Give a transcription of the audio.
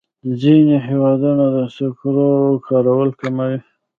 ځینې هېوادونه د سکرو کارول کموي.